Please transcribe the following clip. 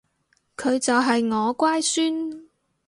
佢就係我乖孫